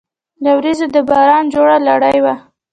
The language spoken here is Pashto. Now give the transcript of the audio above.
له وریځو د باران جوړه لړۍ وه